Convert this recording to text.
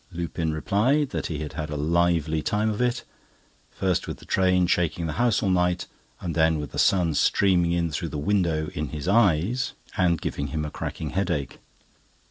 Lupin replied that he had had a lively time of it, first with the train shaking the house all night, and then with the sun streaming in through the window in his eyes, and giving him a cracking headache.